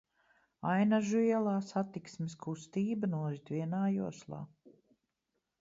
Ainažu ielā satiksmes kustība norit vienā joslā.